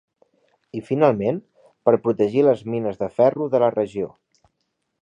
I finalment, per protegir les mines de ferro de la regió.